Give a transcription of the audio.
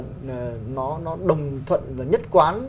nó đồng thuận và nhất quán